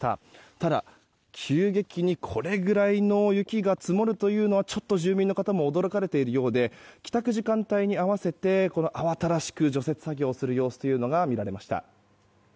ただ、急激にこれくらいの雪が積もるというのはちょっと住民の方も驚かれているようで帰宅時間帯に合わせて慌ただしく除雪作業する様子というのが見られました。